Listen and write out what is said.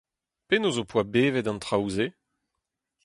Penaos ho poa bevet an traoù-se ?